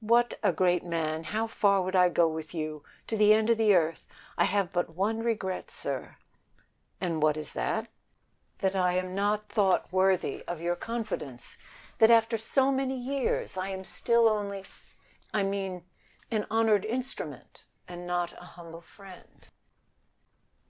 "What a great man! how far would I go with you? To the end of the earth. I have but one regret, sir." "And what is that?" "That I am not thought worthy of your confidence. That after so many years I am still only a too I mean an honored instrument, and not a humble friend."